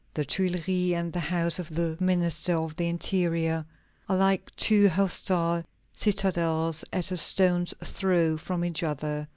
The Tuileries and the house of the Minister of the Interior are like two hostile citadels at a stone's throw from each other.